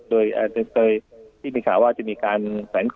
โดยที่มีข่าวว่าจะมีการแฝงตัว